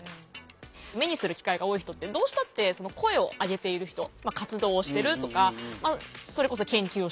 目にする機会が多い人ってどうしたって声を上げている人活動をしてるとかそれこそ研究をしてるとかの人じゃないですか。